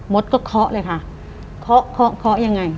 ดก็เคาะเลยค่ะเคาะเคาะเคาะยังไง